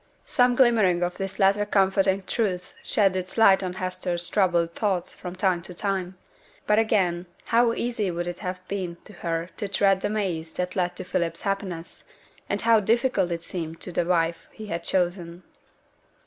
Some glimmering of this latter comforting truth shed its light on Hester's troubled thoughts from time to time. But again, how easy would it have been to her to tread the maze that led to Philip's happiness; and how difficult it seemed to the wife he had chosen!